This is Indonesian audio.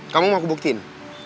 kamu mau aku buktiin